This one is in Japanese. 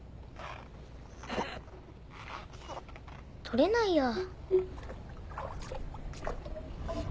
取れないや。